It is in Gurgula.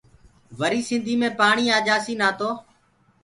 وري سنڌيٚ مي پاڻيٚ آجآسيٚ نآ تو